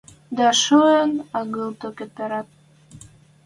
Дӓ шоэн агыл токет пырат